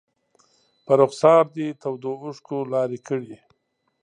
په رخسار دې تودو اوښکو لارې کړي